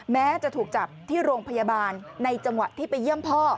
แม้จะถูกจับที่โรงพยาบาลในจังหวะที่ไปเยี่ยมพ่อ